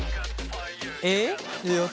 えっ？